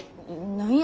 何や？